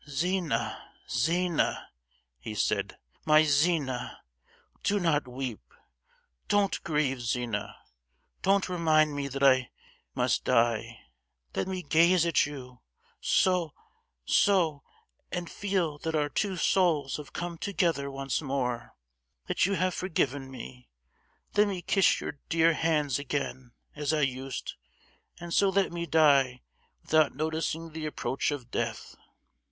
"Zina, Zina!" he said, "my Zina, do not weep; don't grieve, Zina, don't remind me that I must die! Let me gaze at you, so—so,—and feel that our two souls have come together once more—that you have forgiven me! Let me kiss your dear hands again, as I used, and so let me die without noticing the approach of death.